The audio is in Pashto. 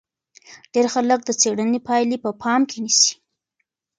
ډېر خلک د څېړنې پایلې په پام کې نیسي.